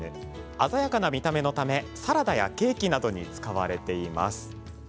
鮮やかな見た目のためサラダやケーキなどに使われています。